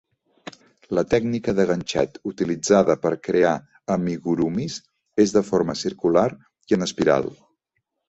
La tècnica de ganxet utilitzada per crear amigurumis és de forma circular i en espiral.